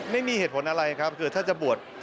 ไม่มีเหตุผลอะไรครับคือถ้าจะบวช